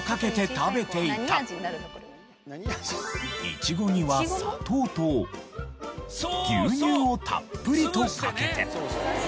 イチゴには砂糖と牛乳をたっぷりとかけて。